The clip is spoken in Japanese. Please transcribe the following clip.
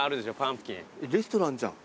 レストランじゃん。